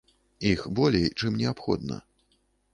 Іх болей, чым неабходна.